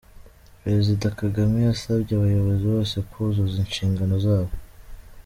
Perezida Kagame yasabye abayobozi bose kuzuzuza inshingano zabo.